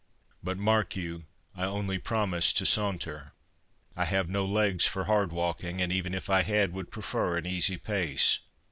But, mark you, I only promise to saunter. I have no legs for hard walking, and even if I had, would prefer an easy pace.